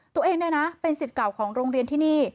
ตัวเองเนี่ยนะเป็นสิทธิ์เก่าของโรงเรียนที่นี่